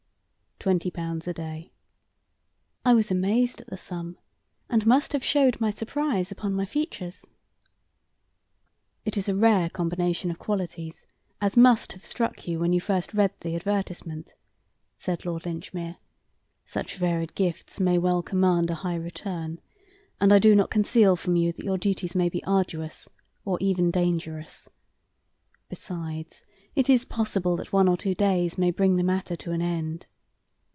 "Twenty pounds a day." I was amazed at the sum, and must have showed my surprise upon my features. "It is a rare combination of qualities, as must have struck you when you first read the advertisement," said Lord Linchmere; "such varied gifts may well command a high return, and I do not conceal from you that your duties might be arduous or even dangerous. Besides, it is possible that one or two days may bring the matter to an end."